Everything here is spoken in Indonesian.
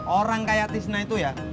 orang kayak tisna itu ya